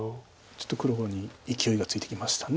ちょっと黒にいきおいがついてきました。